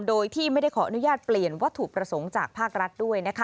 โดยที่ไม่ได้ขออนุญาตเปลี่ยนวัตถุประสงค์จากภาครัฐด้วยนะคะ